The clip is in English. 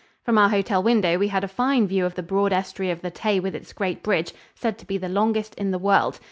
From our hotel window we had a fine view of the broad estuary of the Tay with its great bridge, said to be the longest in the world.